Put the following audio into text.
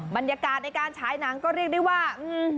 บรรยากาศในการฉายหนังก็เรียกได้ว่า